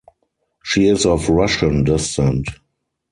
She is of Russian descent.